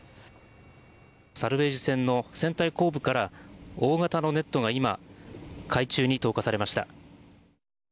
サルベージ船の船体後部から大型のネットが今海中に投下されました。